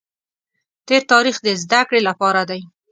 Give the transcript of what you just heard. تېر تاریخ دې د زده کړې لپاره دی.